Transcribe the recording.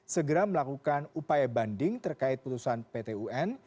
segera melakukan upaya banding terkait putusan pt un